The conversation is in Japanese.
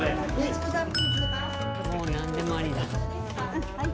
もう何でもありだ。